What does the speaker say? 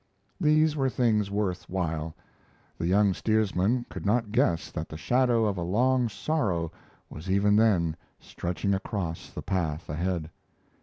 These were things worth while. The young steersman could not guess that the shadow of a long sorrow was even then stretching across the path ahead.